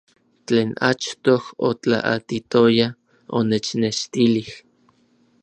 Tlen achtoj otlaatitoya onechnextilij.